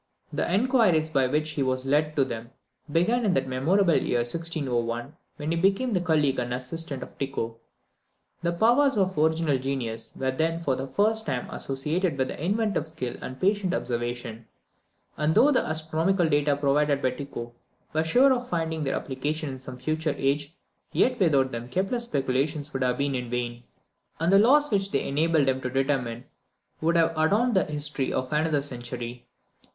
The inquiries by which he was led to them began in that memorable year 1601, when he became the colleague or assistant of Tycho. The powers of original genius were then for the first time associated with inventive skill and patient observation; and though the astronomical data provided by Tycho were sure of finding their application in some future age, yet without them Kepler's speculations would have been vain, and the laws which they enabled him to determine would have adorned the history of another century.